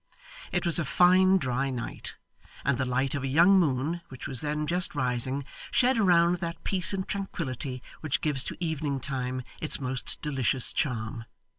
It was a fine dry night, and the light of a young moon, which was then just rising, shed around that peace and tranquillity which gives to evening time its most delicious charm.